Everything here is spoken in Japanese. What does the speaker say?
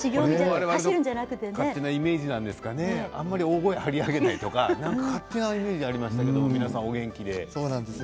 我々の勝手なイメージなんですかね、あまり大声を張り上げないとか勝手なイメージがありましたけれども皆さんお元気で。